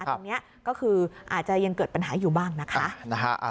ตรงนี้ก็คืออาจจะยังเกิดปัญหาอยู่บ้างนะคะ